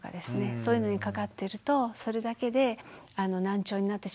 そういうのにかかってるとそれだけで難聴になってしまうこともありますし。